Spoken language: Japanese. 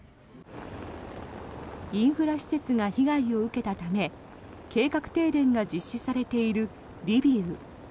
インフラ施設が被害を受けたため計画停電が実施されているリビウ。